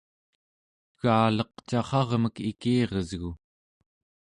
egaleq carrarmek ikiresgu!